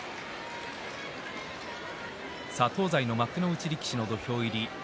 東西の幕内力士の土俵入り。